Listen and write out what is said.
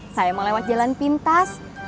saya mau lewat jalan pintas melewatin sawah